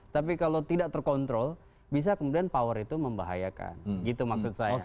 tapi kalau tidak terkontrol bisa kemudian power itu membahayakan gitu maksud saya